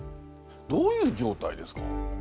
どういう状態ですか？